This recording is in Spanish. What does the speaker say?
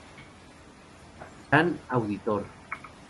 Capitán Auditor.